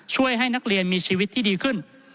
ช่วยให้นักเรียนมีชีวิตที่ดีขึ้น